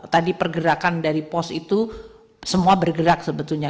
tadi pergerakan dari pos itu semua bergerak sebetulnya